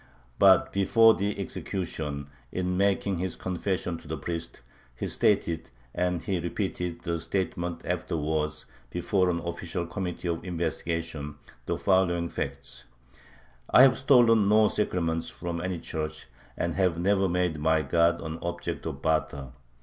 But before the execution, in making his confession to the priest, he stated and he repeated the statement afterwards before an official committee of investigation the following facts: I have stolen no sacraments from any church, and have never made my God an object of barter.